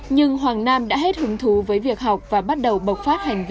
nhưng hoàng nam đã hết hứng thú với việc học và bắt đầu bộc phát hành